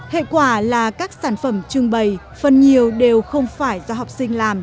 hệ quả là các sản phẩm trưng bày phần nhiều đều không phải do học sinh làm